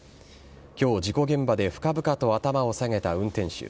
今日、事故現場で深々と頭を下げた運転手。